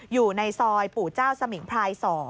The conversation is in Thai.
อยู่ในซอยปู่เจ้าสมิงพราย๒